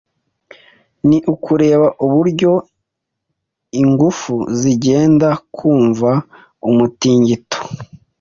ni ukureba uburyo ingufu zigenda kumva umutingito